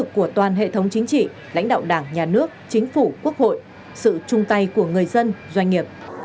chính trị lãnh đạo đảng nhà nước chính phủ quốc hội sự chung tay của người dân doanh nghiệp